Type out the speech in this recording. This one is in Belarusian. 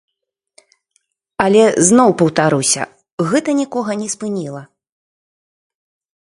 Але, зноў паўтаруся, гэта нікога не спыніла.